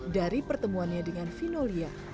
dari pertemuannya dengan fino lia